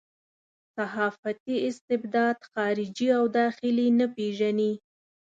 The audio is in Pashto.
صحافتي استبداد خارجي او داخلي نه پېژني.